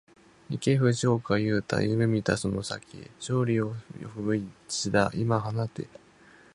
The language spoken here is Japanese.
行け藤岡裕大、夢見たその先へ、勝利を呼ぶ一打、今放て